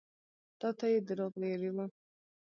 تا ته يې دروغ ويلي وو.